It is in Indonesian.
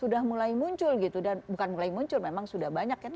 sudah mulai muncul gitu dan bukan mulai muncul memang sudah banyak kan